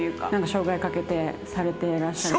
生涯かけてされてらっしゃる。